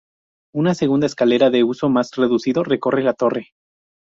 Una segunda escalera de uso más reducido recorre la torre.